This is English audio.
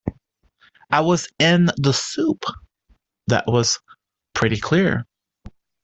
I was in the soup — that was pretty clear.